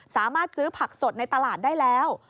สามารถซื้อผักสดในตลาดได้แล้ว